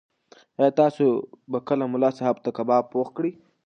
ایا تاسو به کله ملا صاحب ته کباب پوخ کړئ؟